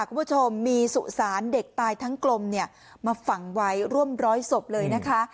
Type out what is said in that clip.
คุณผู้ชมมีสุสานเด็กตายทั้งกลมเนี่ยมาฝังไว้ร่วมร้อยศพเลยนะคะ